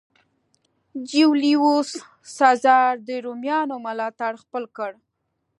جیولیوس سزار د رومیانو ملاتړ خپل کړ.